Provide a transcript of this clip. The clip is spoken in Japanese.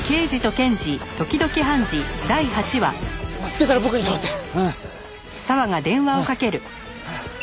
出たら僕に代わって。